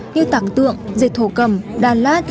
như tảng tượng dệt thổ cầm đa lát